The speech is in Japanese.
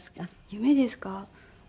夢ですか？